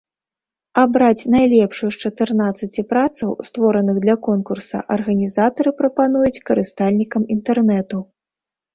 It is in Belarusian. Абраць найлепшую з чатырнаццаці працаў, створаных для конкурса, арганізатары прапануюць карыстальнікам інтэрнэту.